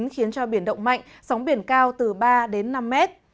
khiến cho biển động mạnh sóng biển cao từ ba đến năm mét